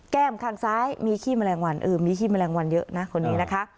ข้างซ้ายมีขี้แมลงวันเออมีขี้แมลงวันเยอะนะคนนี้นะคะ